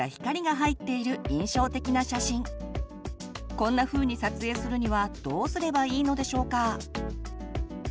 こんなふうに撮影するにはどうすればいいのでしょうか？